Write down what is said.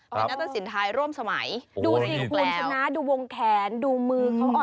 นัตตาสินท้ายร่วมสมัยดูสินคุณชนะดูวงแขนดูมือเขาอ่อน